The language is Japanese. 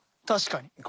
確かに。